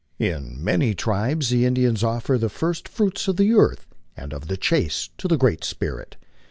In many tribes the Indians offer the first fruits of the earth and of the chase to the Great Spirit.